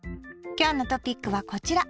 今日のトピックはこちら。